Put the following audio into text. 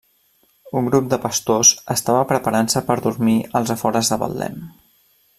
Un grup de pastors estava preparant-se per dormir als afores de Betlem.